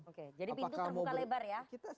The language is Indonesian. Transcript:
jadi pintu terbuka lebar ya